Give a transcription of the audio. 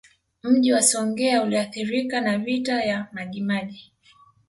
Mji wa Songea uliathirika na Vita ya Majimaji